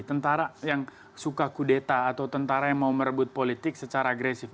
tentara yang suka kudeta atau tentara yang mau merebut politik secara agresif